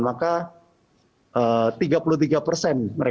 maka tiga puluh tiga persen